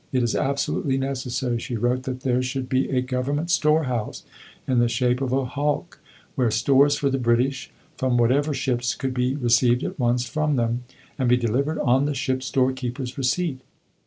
"It is absolutely necessary," she wrote, "that there should be a Government Store House, in the shape of a hulk, where stores for the British, from whatever ships, could be received at once from them, and be delivered on the ship store keeper's receipt.